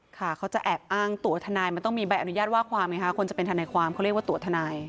ค่ะเขาจะแอบอ้างตัวทนายมันต้องมีใบอนุญาตว่าความไงคะคนจะเป็นทนายความเขาเรียกว่าตัวทนาย